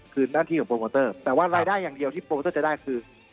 คือหน้าที่ของโปรโมเตอร์แต่ว่ารายได้อย่างเดียวที่โปรโมเตอร์จะได้คือ